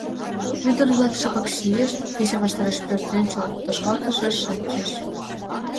Ӱдыр-влак шыпак чийышт, кече ваштареш пӧртӧнчыл тошкалтышыш шинчыч.